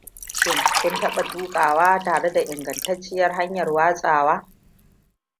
Shin kun taɓa tukawa tare da ingantacciyar hanyar watsawa?